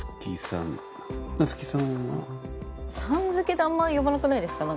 さん付けであんまり呼ばなくないですか？